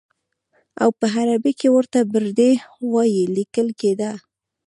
او په عربي کې ورته بردي وایي لیکل کېده.